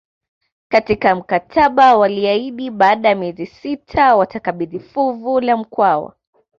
Katika mkataba waliahidi baada ya miezi sita watakabidhi fuvu la Mkwawa